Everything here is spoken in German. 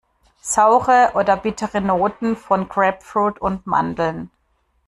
Saure oder bittere Noten von Grapefruit und Mandeln.